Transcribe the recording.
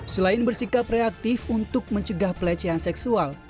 selain bersikap reaktif untuk mencegah pelecehan seksual